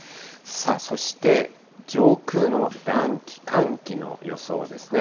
そして、上空の暖気、寒気の予想ですね。